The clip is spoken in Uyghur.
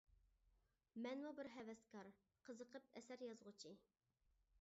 مەنمۇ بىر ھەۋەسكار، قىزىقىپ ئەسەر يازغۇچى.